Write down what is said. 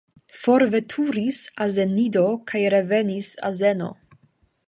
Forveturis azenido kaj revenis azeno.